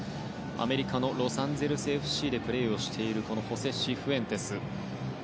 アメリカのロサンゼルスＦＣでプレーしているホセ・シフエンテス。